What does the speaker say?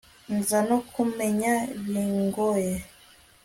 nza no kumenya bingoye